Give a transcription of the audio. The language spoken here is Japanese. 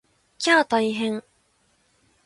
きゃー大変！